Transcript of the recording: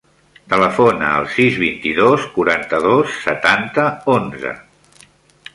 Telefona al sis, vint-i-dos, quaranta-dos, setanta, onze.